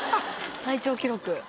最長記録。